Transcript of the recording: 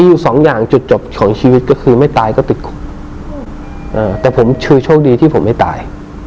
อยู่สองอย่างจุดจบของชีวิตก็คือไม่ตายก็ติดคุกอ่าแต่ผมคือโชคดีที่ผมไม่ตาย